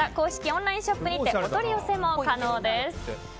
オンラインショップにてお取り寄せも可能です。